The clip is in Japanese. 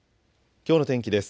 きょうの天気です。